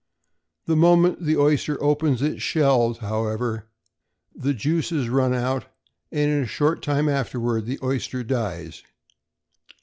The moment the oyster opens its shells, however, the juices run out, and in a short time afterward the oyster dies.